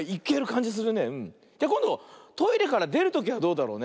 じゃこんどトイレからでるときはどうだろうね。